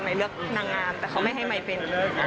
ไม่เลือกนางงามแต่เขาไม่ให้ใหม่เป็น